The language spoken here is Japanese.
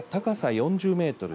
４０メートル